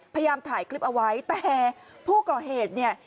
พยายามถ่ายคลิปเอาไว้แต่ผู้ก่อเหตุเนี่ย